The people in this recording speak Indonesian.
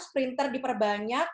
sprinter di perbanyak